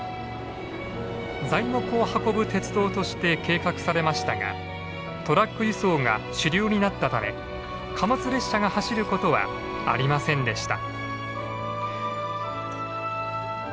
材木を運ぶ鉄道として計画されましたがトラック輸送が主流になったため貨物列車が走ることはありませんでした。